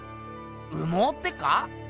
羽毛ってか？